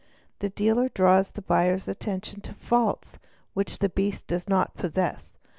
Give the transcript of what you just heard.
'The dealer draws the buyer's attention to faults which the beast 'does not possess.